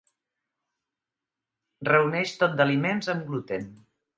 Reuneix tot d'aliments amb gluten.